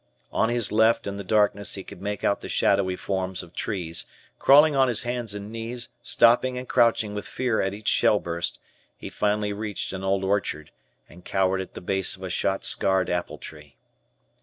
On his left, in the darkness, he could make out the shadowy forms of trees; crawling on his hands and knees, stopping and crouching with fear at each shell burst, he finally reached an old orchard, and cowered at the base of a shot scarred apple tree.